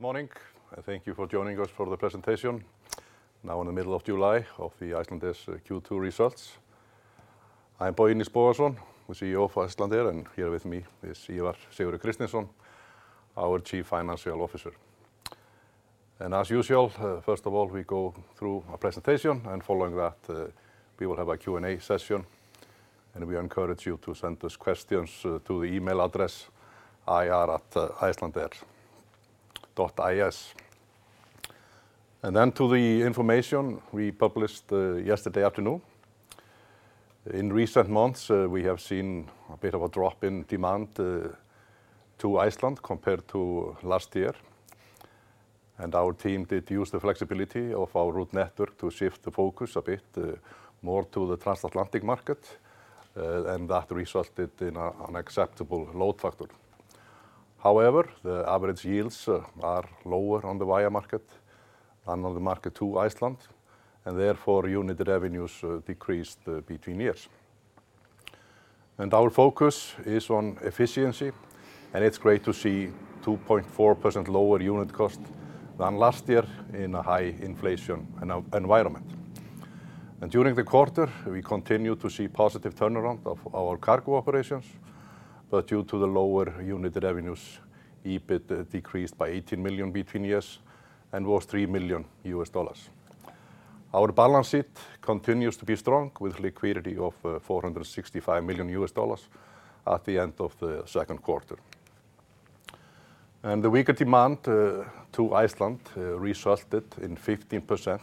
Good morning, and thank you for joining us for the presentation, now in the middle of July, of Icelandair's Q2 results. I'm Bogi Bogason, the CEO for Icelandair, and here with me is Ívar S. Kristinsson, our Chief Financial Officer. As usual, first of all, we go through a presentation, and following that, we will have a Q&A session, and we encourage you to send us questions to the email address ir@icelandair.is. Then to the information we published yesterday afternoon. In recent months, we have seen a bit of a drop in demand to Iceland compared to last year, and our team did use the flexibility of our route network to shift the focus a bit more to the transatlantic market, and that resulted in an acceptable load factor. However, the average yields are lower on the via market than on the market to Iceland, and therefore, unit revenues decreased between years. Our focus is on efficiency, and it's great to see 2.4% lower unit cost than last year in a high inflation environment. During the quarter, we continued to see positive turnaround of our cargo operations, but due to the lower unit revenues, EBIT decreased by $18 million between years and was $3 million. Our balance sheet continues to be strong, with liquidity of $465 million at the end of the second quarter. The weaker demand to Iceland resulted in 15%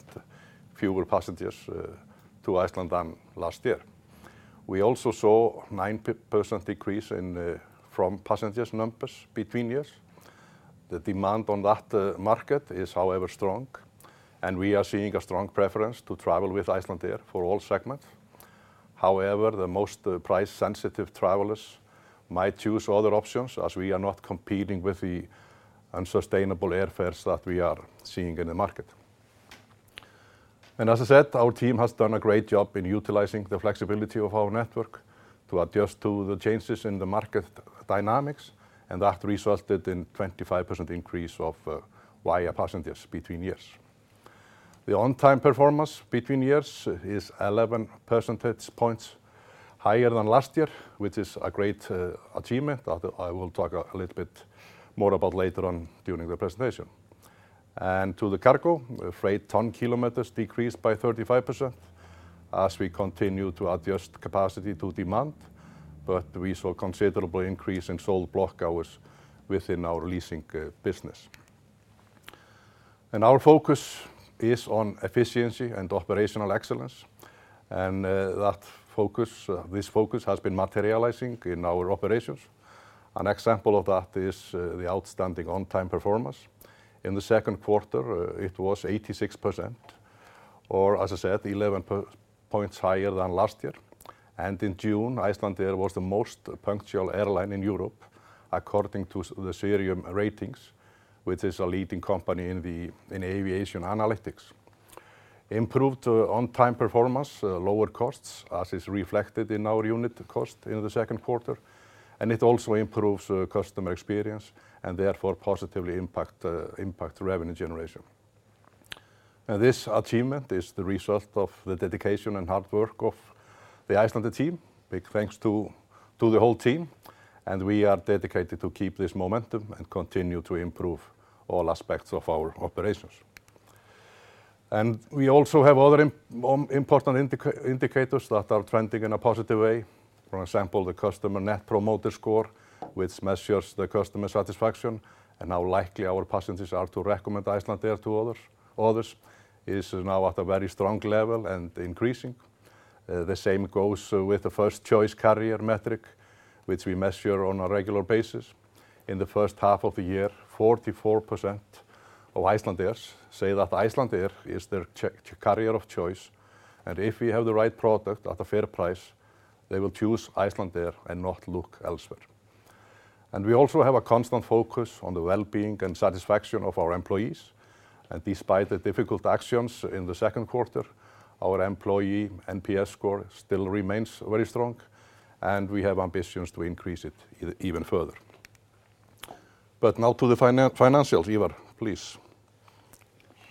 fewer passengers to Iceland than last year. We also saw 9% decrease from passenger numbers between years. The demand on that market is, however, strong, and we are seeing a strong preference to travel with Icelandair for all segments. However, the most price-sensitive travelers might choose other options, as we are not competing with the unsustainable airfares that we are seeing in the market. And as I said, our team has done a great job in utilizing the flexibility of our network to adjust to the changes in the market dynamics, and that resulted in 25% increase of via passengers between years. The on-time performance between years is 11 percentage points higher than last year, which is a great achievement, that I will talk a little bit more about later on during the presentation. To the cargo, freight ton kilometers decreased by 35%, as we continue to adjust capacity to demand, but we saw considerable increase in sold block hours within our leasing business. Our focus is on efficiency and operational excellence, and that focus, this focus has been materializing in our operations. An example of that is the outstanding on-time performance. In the second quarter, it was 86%, or, as I said, 11 percentage points higher than last year. In June, Icelandair was the most punctual airline in Europe, according to the Cirium ratings, which is a leading company in the aviation analytics. Improved on-time performance lowered costs, as is reflected in our unit cost in the second quarter, and it also improves customer experience, and therefore positively impact revenue generation. Now, this achievement is the result of the dedication and hard work of the Icelandair team. Big thanks to the whole team, and we are dedicated to keep this momentum and continue to improve all aspects of our operations. We also have other important indicators that are trending in a positive way. For example, the Customer Net Promoter Score, which measures the customer satisfaction and how likely our passengers are to recommend Icelandair to others, is now at a very strong level and increasing. The same goes with the first choice carrier metric, which we measure on a regular basis. In the first half of the year, 44% of Icelandair's say that Icelandair is their carrier of choice, and if we have the right product at a fair price, they will choose Icelandair and not look elsewhere. We also have a constant focus on the wellbeing and satisfaction of our employees, and despite the difficult actions in the second quarter, our employee NPS score still remains very strong, and we have ambitions to increase it even further. Now to the financials. Ívar, please.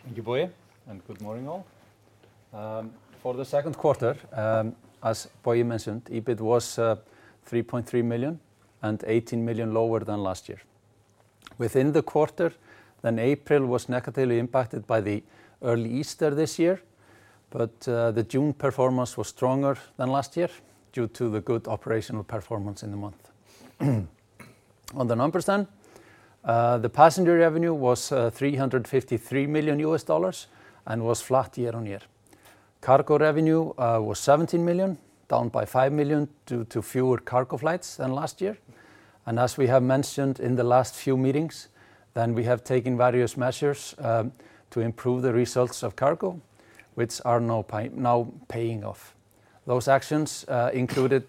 Thank you, Bogi, and good morning, all. For the second quarter, as Bogi mentioned, EBIT was $3.3 million and $18 million lower than last year. Within the quarter, then April was negatively impacted by the early Easter this year, but the June performance was stronger than last year due to the good operational performance in the month. On the numbers then, the passenger revenue was $353 million and was flat year-on-year. Cargo revenue was $17 million, down by $5 million due to fewer cargo flights than last year. As we have mentioned in the last few meetings, then we have taken various measures to improve the results of cargo, which are now paying off. Those actions included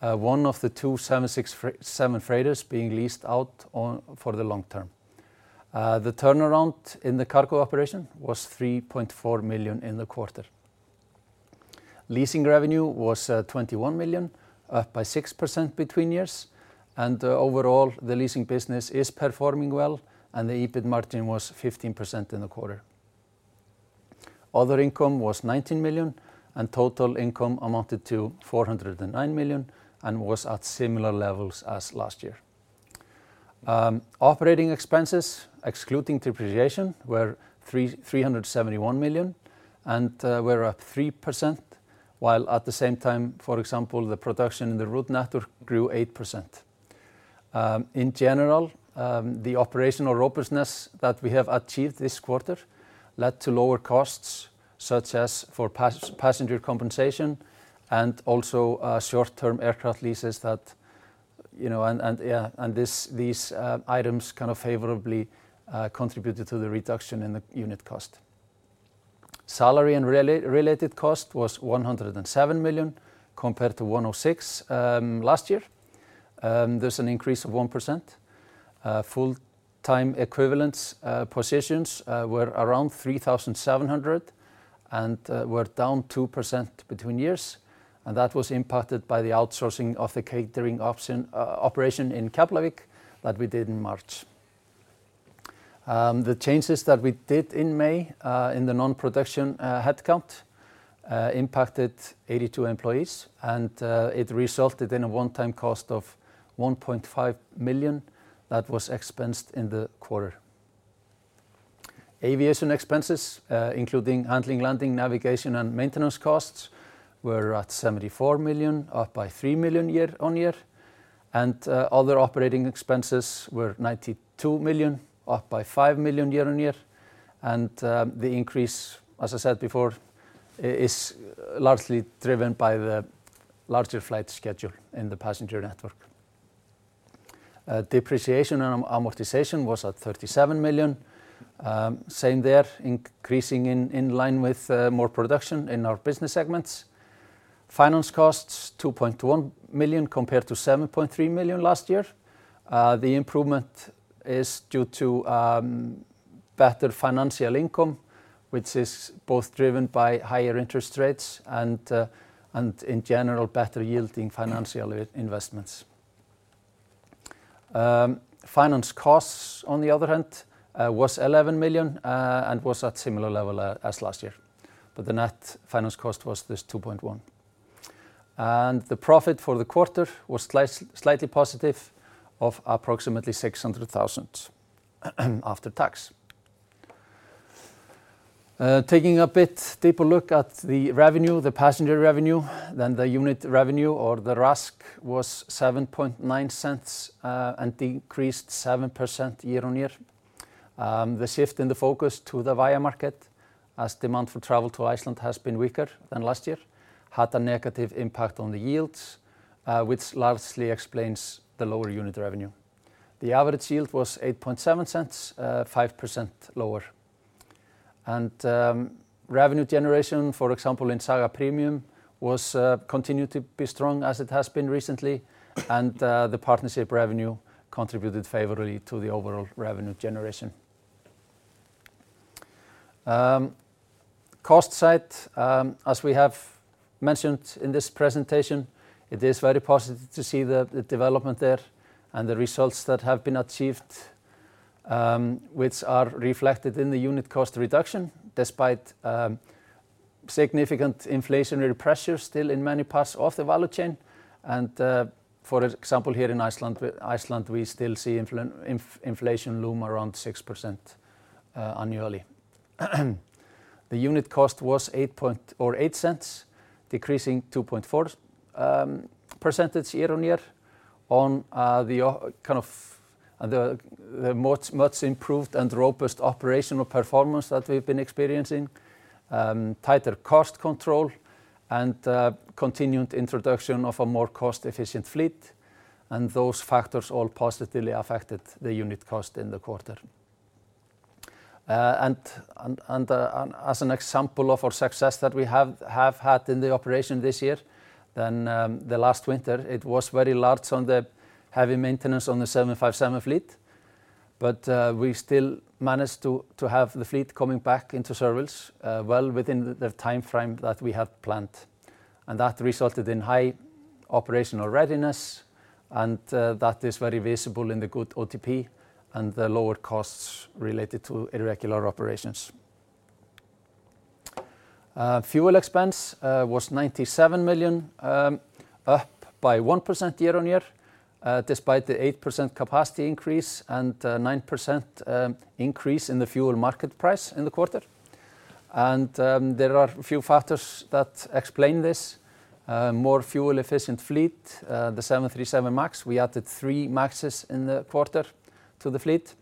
one of the two 767 freighters being leased out for the long term. The turnaround in the cargo operation was $3.4 million in the quarter. Leasing revenue was $21 million, up by 6% between years. And overall, the leasing business is performing well, and the EBIT margin was 15% in the quarter. Other income was $19 million, and total income amounted to $409 million and was at similar levels as last year. Operating expenses, excluding depreciation, were $371 million and were up 3%, while at the same time, for example, the production in the route network grew 8%. In general, the operational robustness that we have achieved this quarter led to lower costs, such as for passenger compensation and also short-term aircraft leases that, you know. These items kind of favorably contributed to the reduction in the unit cost. Salary and related cost was $107 million, compared to $106 million last year. There's an increase of 1%. Full-time equivalence positions were around 3,700 and were down 2% between years, and that was impacted by the outsourcing of the catering operation in Keflavík that we did in March. The changes that we did in May in the non-production headcount impacted 82 employees, and it resulted in a one-time cost of $1.5 million that was expensed in the quarter. Aviation expenses, including handling, landing, navigation, and maintenance costs, were at $74 million, up by $3 million year-on-year. Other operating expenses were $92 million, up by $5 million year-on-year. The increase, as I said before, is largely driven by the larger flight schedule in the passenger network. Depreciation and amortization was at $37 million. Same there, increasing in line with more production in our business segments. Finance costs, $2.1 million, compared to $7.3 million last year. The improvement is due to better financial income, which is both driven by higher interest rates and in general, better-yielding financial investments. Finance costs, on the other hand, was $11 million and was at similar level as last year, but the net finance cost was $2.1 million. The profit for the quarter was slightly positive, of approximately $600,000, after tax. Taking a bit deeper look at the revenue, the passenger revenue, then the unit revenue or the RASK was $0.079 and decreased 7% year-on-year. The shift in the focus to the via market, as demand for travel to Iceland has been weaker than last year, had a negative impact on the yields, which largely explains the lower unit revenue. The average yield was $0.087, 5% lower. Revenue generation, for example, in Saga Premium, was continued to be strong as it has been recently, and the partnership revenue contributed favorably to the overall revenue generation. Cost side, as we have mentioned in this presentation, it is very positive to see the development there and the results that have been achieved, which are reflected in the unit cost reduction, despite significant inflationary pressures still in many parts of the value chain. For example, here in Iceland, we still see inflation loom around 6%, annually. The unit cost was 8 point... to 8 cents, decreasing 2.4% year-on-year, on the kind of much improved and robust operational performance that we've been experiencing, tighter cost control, and continued introduction of a more cost-efficient fleet, and those factors all positively affected the unit cost in the quarter. And as an example of our success that we have had in the operation this year, then the last winter, it was very large on the heavy maintenance on the 757 fleet. But we still managed to have the fleet coming back into service, well within the timeframe that we had planned, and that resulted in high operational readiness, and that is very visible in the good OTP and the lower costs related to irregular operations. Fuel expense was $97 million, up by 1% year-on-year, despite the 8% capacity increase and 9% increase in the fuel market price in the quarter. There are a few factors that explain this. More fuel-efficient fleet, the 737 MAX. We added 3 MAXes in the quarter to the fleet.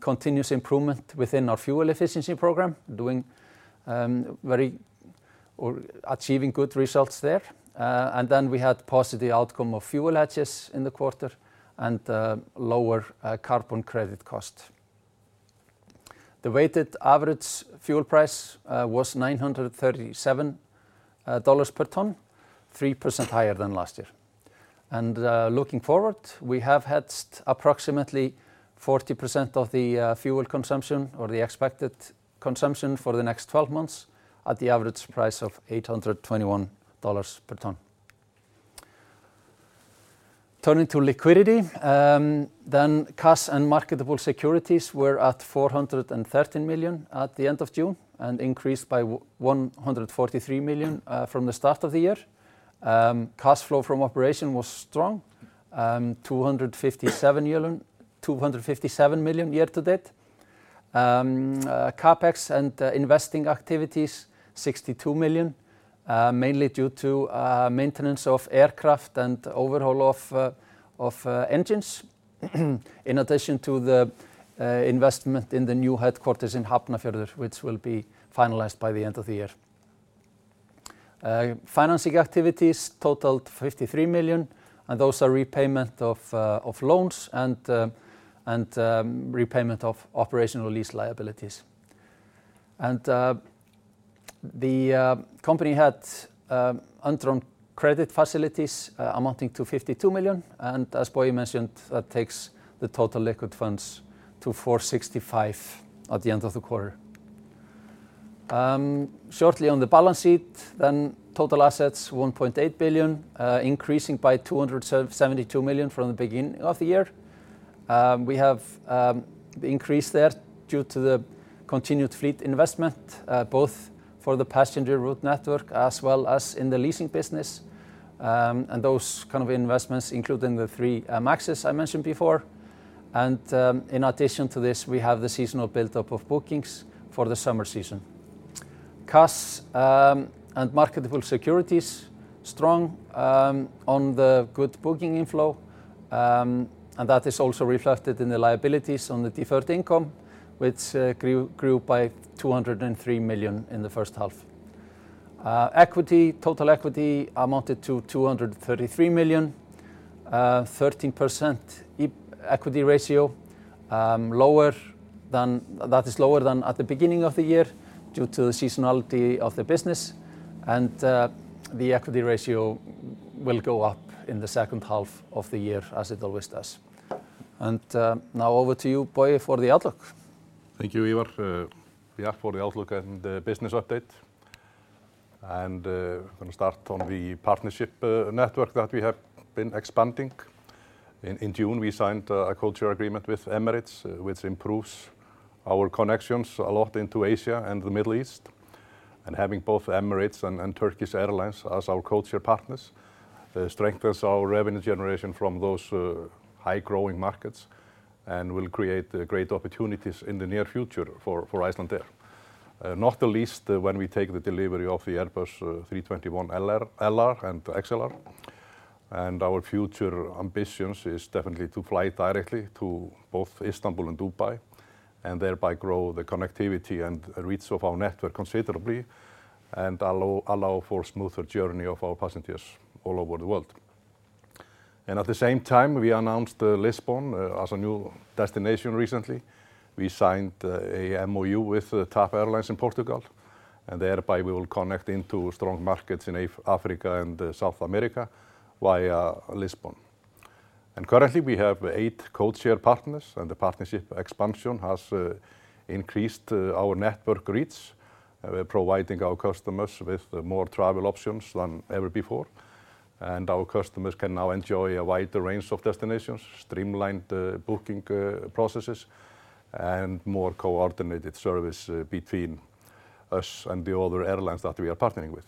Continuous improvement within our fuel efficiency program, achieving good results there. And then we had positive outcome of fuel hedges in the quarter and lower carbon credit cost. The weighted average fuel price was $937 per ton, 3% higher than last year. Looking forward, we have hedged approximately 40% of the fuel consumption or the expected consumption for the next 12 months, at the average price of $821 per ton. Turning to liquidity, then cash and marketable securities were at $413 million at the end of June and increased by $143 million from the start of the year. Cash flow from operation was strong, $257 million, $257 million year to date. CapEx and investing activities, $62 million, mainly due to maintenance of aircraft and overhaul of engines. In addition to the investment in the new headquarters in Hafnarfjörður, which will be finalized by the end of the year. Financing activities totaled 53 million, and those are repayment of of loans and repayment of operational lease liabilities. The company had undrawn credit facilities amounting to 52 million, and as Bogi mentioned, that takes the total liquid funds to 465 million at the end of the quarter. Shortly on the balance sheet, total assets 1.8 billion, increasing by 272 million from the beginning of the year. We have the increase there due to the continued fleet investment both for the passenger route network as well as in the leasing business. Those kind of investments, including the 3 MAXes I mentioned before, and in addition to this, we have the seasonal build-up of bookings for the summer season. Cash and marketable securities, strong on the good booking inflow, and that is also reflected in the liabilities on the deferred income, which grew by $203 million in the first half. Equity, total equity amounted to $233 million, 13% equity ratio, lower than... That is lower than at the beginning of the year, due to the seasonality of the business, and the equity ratio will go up in the second half of the year, as it always does. Now over to you, Bogi, for the outlook. Thank you, Ívar. Yeah, for the outlook and the business update. I'm gonna start on the partnership network that we have been expanding. In June, we signed a codeshare agreement with Emirates, which improves our connections a lot into Asia and the Middle East. And having both Emirates and Turkish Airlines as our codeshare partners strengthens our revenue generation from those high-growth markets and will create great opportunities in the near future for Icelandair. Not the least, when we take delivery of the Airbus A321LR and A321XLR, and our future ambitions is definitely to fly directly to both Istanbul and Dubai, and thereby grow the connectivity and reach of our network considerably, and allow for smoother journey of our passengers all over the world. At the same time, we announced Lisbon as a new destination recently. We signed a MOU with TAP Air Portugal in Portugal, and thereby we will connect into strong markets in Africa and South America via Lisbon. Currently, we have eight codeshare partners, and the partnership expansion has increased our network reach, providing our customers with more travel options than ever before. Our customers can now enjoy a wider range of destinations, streamlined booking processes, and more coordinated service between us and the other airlines that we are partnering with.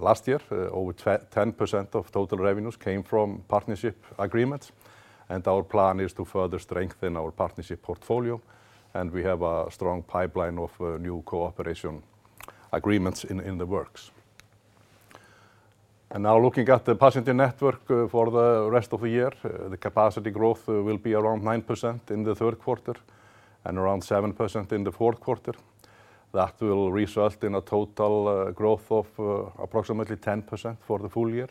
Last year, over 10% of total revenues came from partnership agreements, and our plan is to further strengthen our partnership portfolio, and we have a strong pipeline of new cooperation agreements in the works. And now, looking at the passenger network, for the rest of the year, the capacity growth will be around 9% in the third quarter and around 7% in the fourth quarter. That will result in a total growth of approximately 10% for the full year.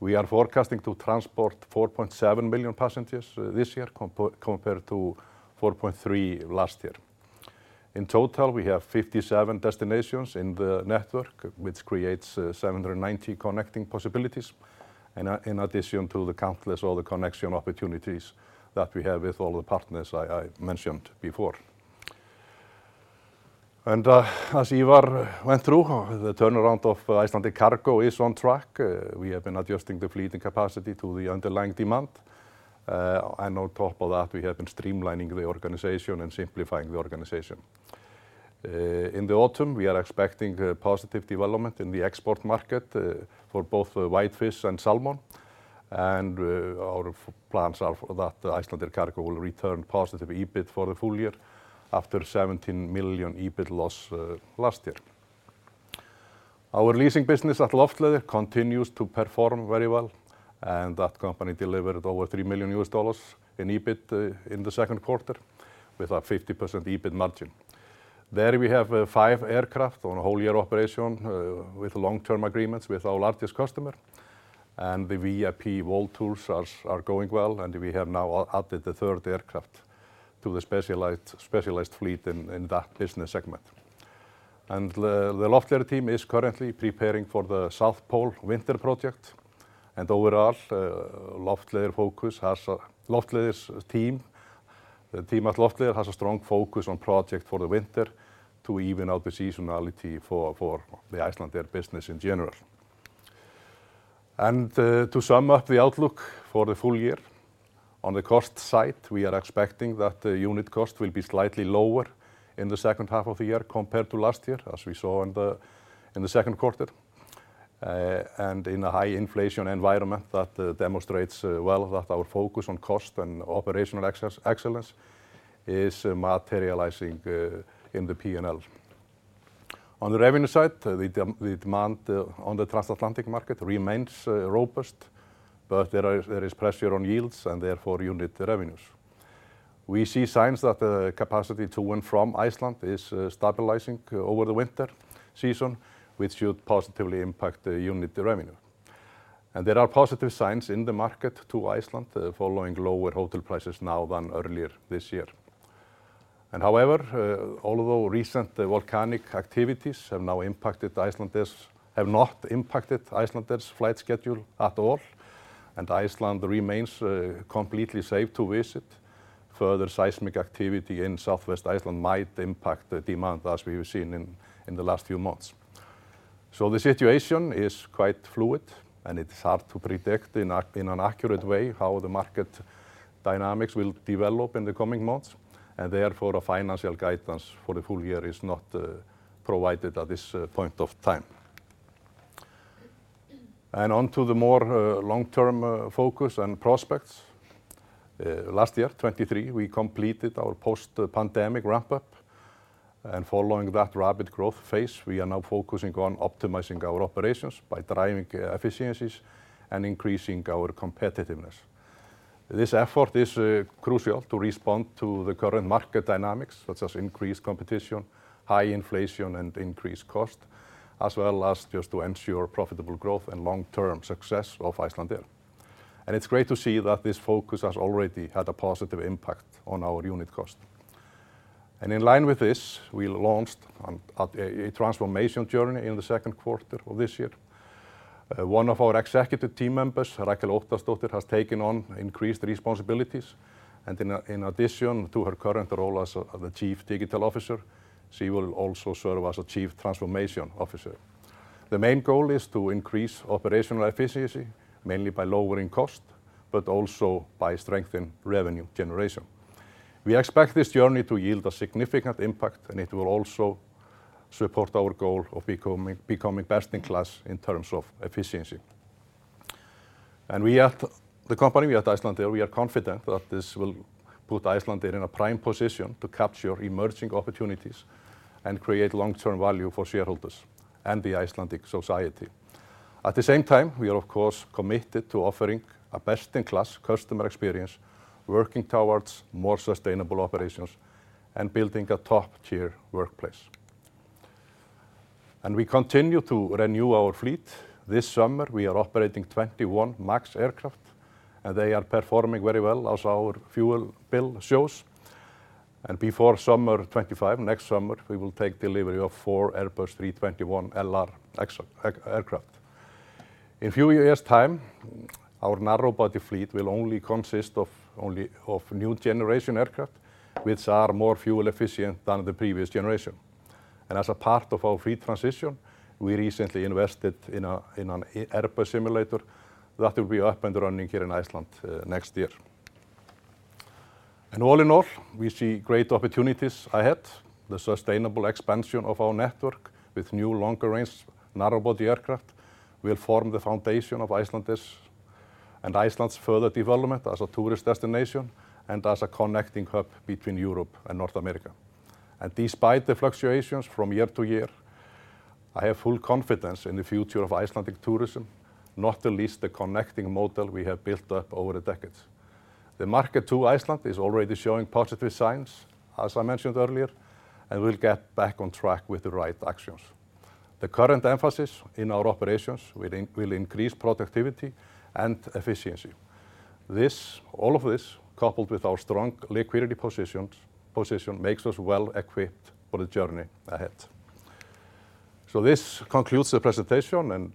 We are forecasting to transport 4.7 billion passengers this year, compared to 4.3 last year. In total, we have 57 destinations in the network, which creates 790 connecting possibilities, and in addition to the countless other connection opportunities that we have with all the partners I mentioned before. And, as Ivar went through, the turnaround of Icelandair Cargo is on track. We have been adjusting the fleet and capacity to the underlying demand. And on top of that, we have been streamlining the organization and simplifying the organization. In the autumn, we are expecting a positive development in the export market, for both whitefish and salmon. And our plans are for that Icelandair Cargo will return positive EBIT for the full year, after $17 million EBIT loss last year. Our leasing business at Loftleiðir continues to perform very well, and that company delivered over $3 million in EBIT in the second quarter, with a 50% EBIT margin. There, we have 5 aircraft on a whole year operation, with long-term agreements with our largest customer, and the VIP World Tours are going well, and we have now added the third aircraft to the specialized fleet in that business segment. The Loftleiðir team is currently preparing for the South Pole winter project. Overall, Loftleiðir's team, the team at Loftleiðir has a strong focus on projects for the winter to even out the seasonality for the Icelandair business in general. To sum up the outlook for the full year, on the cost side, we are expecting that the unit cost will be slightly lower in the second half of the year compared to last year, as we saw in the second quarter. In a high inflation environment, that demonstrates well that our focus on cost and operational excellence is materializing in the P&L. On the revenue side, the demand on the transatlantic market remains robust, but there is pressure on yields and therefore unit revenues. We see signs that the capacity to and from Iceland is stabilizing over the winter season, which should positively impact the unit revenue. There are positive signs in the market to Iceland following lower hotel prices now than earlier this year. However, although recent volcanic activities have not impacted Icelandair's flight schedule at all, and Iceland remains completely safe to visit, further seismic activity in Southwest Iceland might impact the demand, as we have seen in the last few months. So the situation is quite fluid, and it's hard to predict in an accurate way how the market dynamics will develop in the coming months, and therefore, a financial guidance for the full year is not provided at this point of time. On to the more long-term focus and prospects. Last year, 2023, we completed our post-pandemic wrap-up, and following that rapid growth phase, we are now focusing on optimizing our operations by driving efficiencies and increasing our competitiveness. This effort is crucial to respond to the current market dynamics, such as increased competition, high inflation, and increased cost, as well as just to ensure profitable growth and long-term success of Icelandair. It's great to see that this focus has already had a positive impact on our unit cost. In line with this, we launched a transformation journey in the second quarter of this year. One of our executive team members, Rakel Óttarsdóttir, has taken on increased responsibilities, and in addition to her current role as the Chief Digital Officer, she will also serve as the Chief Transformation Officer. The main goal is to increase operational efficiency, mainly by lowering cost, but also by strengthening revenue generation. We expect this journey to yield a significant impact, and it will also support our goal of becoming best-in-class in terms of efficiency. We at the company, we at Icelandair, we are confident that this will put Icelandair in a prime position to capture emerging opportunities and create long-term value for shareholders and the Icelandic society. At the same time, we are, of course, committed to offering a best-in-class customer experience, working towards more sustainable operations, and building a top-tier workplace. We continue to renew our fleet. This summer, we are operating 21 MAX aircraft, and they are performing very well as our fuel bill shows. Before summer 2025, next summer, we will take delivery of 4 Airbus 321LR aircraft. In a few years' time, our narrow-body fleet will only consist of new-generation aircraft, which are more fuel-efficient than the previous generation. As a part of our fleet transition, we recently invested in a, in an Airbus simulator that will be up and running here in Iceland next year. All in all, we see great opportunities ahead. The sustainable expansion of our network with new, longer-range, narrow-body aircraft will form the foundation of Icelandair's and Iceland's further development as a tourist destination and as a connecting hub between Europe and North America. Despite the fluctuations from year to year, I have full confidence in the future of Icelandic tourism, not the least the connecting model we have built up over the decades. The market to Iceland is already showing positive signs, as I mentioned earlier, and we'll get back on track with the right actions. The current emphasis in our operations will increase productivity and efficiency. This, all of this, coupled with our strong liquidity position, makes us well-equipped for the journey ahead. So this concludes the presentation, and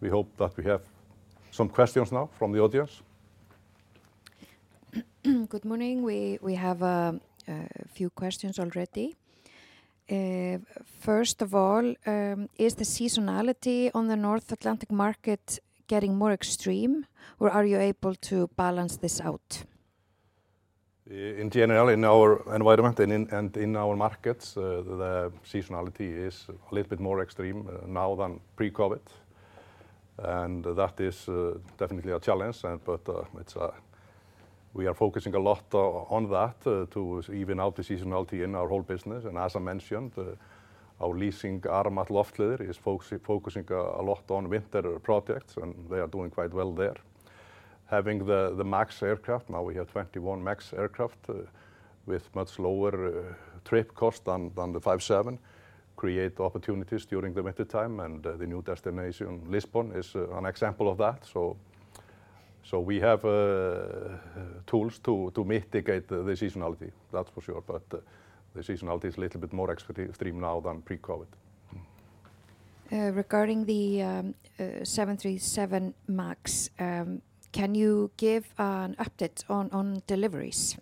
we hope that we have some questions now from the audience. Good morning. We have a few questions already. First of all, is the seasonality on the North Atlantic market getting more extreme, or are you able to balance this out? In general, in our environment and in our markets, the seasonality is a little bit more extreme now than pre-COVID, and that is definitely a challenge. But we are focusing a lot on that to even out the seasonality in our whole business. And as I mentioned, our leasing arm at Loftleiðir is focusing a lot on winter projects, and they are doing quite well there. Having the MAX aircraft, now we have 21 MAX aircraft with much lower trip cost than the 757, create opportunities during the wintertime, and the new destination, Lisbon, is an example of that. So we have tools to mitigate the seasonality, that's for sure, but the seasonality is a little bit more extreme now than pre-COVID. Regarding the 737 MAX, can you give an update on deliveries?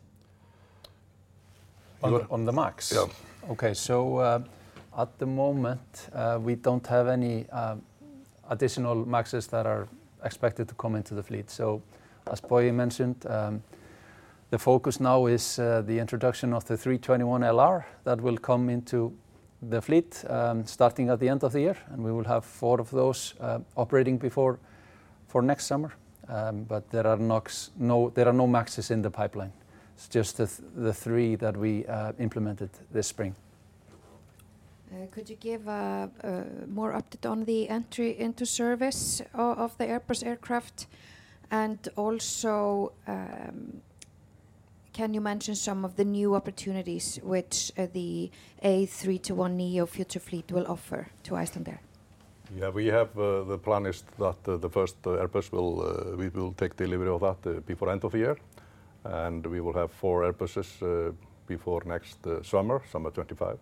On the MAX? Yeah. Okay. So, at the moment, we don't have any additional MAXes that are expected to come into the fleet. So as Bogi mentioned, the focus now is the introduction of the 321LR that will come into the fleet, starting at the end of the year, and we will have four of those operating for next summer. But there are no MAXes in the pipeline. It's just the three that we implemented this spring. Could you give a more update on the entry into service of the Airbus aircraft? And also, can you mention some of the new opportunities which the A321neo Future Fleet will offer to Iceland there? Yeah, we have the plan is that the first Airbus will we will take delivery of that before end of the year, and we will have 4 Airbuses before next summer 2025.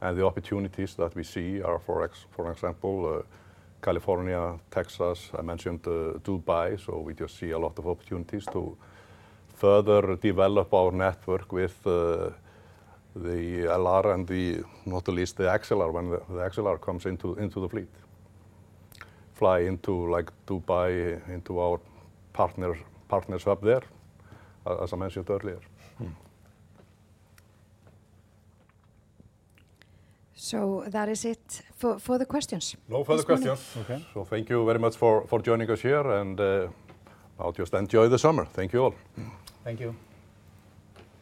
And the opportunities that we see are for example California, Texas, I mentioned, Dubai. So we just see a lot of opportunities to further develop our network with the LR and, not the least, the XLR, when the XLR comes into the fleet. Fly into, like, Dubai, into our partners up there, as I mentioned earlier. Mm. That is it for further questions? No further questions. Okay. Thank you very much for joining us here, and now just enjoy the summer. Thank you, all. Thank you.